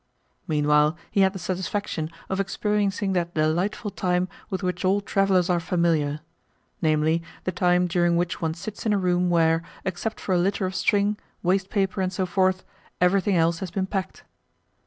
Meanwhile he had the satisfaction of experiencing that delightful time with which all travellers are familiar namely, the time during which one sits in a room where, except for a litter of string, waste paper, and so forth, everything else has been packed.